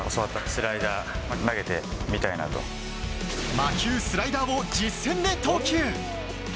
魔球スライダーを実戦で投球。